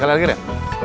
sekali lagi deh